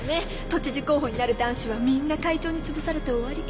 都知事候補になる男子はみんな会長につぶされて終わり。